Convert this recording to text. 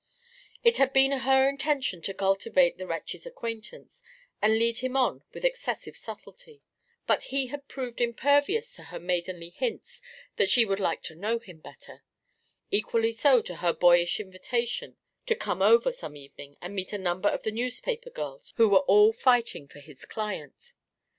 It had been her intention to cultivate the wretch's acquaintance and lead him on with excessive subtlety; but he had proved impervious to her maidenly hints that she would like to know him better; equally so to her boyish invitation to come over some evening and meet a number of the newspaper girls who were all fighting for his client.